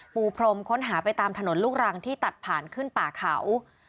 ปูพรมค้นหาไปตามถนนลูกรังที่ตัดผ่านขึ้นป่าเขา